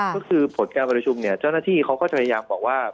ก็คือผลการประชุมเนี่ยเจ้าหน้าที่เขาก็พยายามบอกว่า